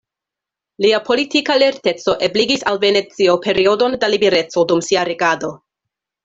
Lia politika lerteco ebligis al Venecio periodon da libereco dum sia regado.